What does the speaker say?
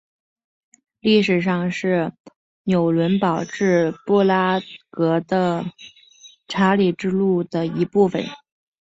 历史上是纽伦堡至布拉格的查理之路的一部份。